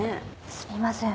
すみません。